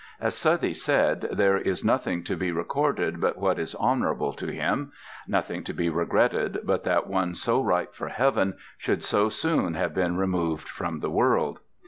As Southey said, there is nothing to be recorded but what is honourable to him; nothing to be regretted but that one so ripe for heaven should so soon have been removed from the world.